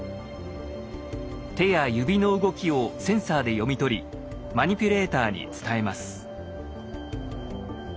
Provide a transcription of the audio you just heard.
手や指の動きをセンサーで読み取りマニピュレーターに伝えます。